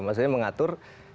maksudnya mengatur kabinetnya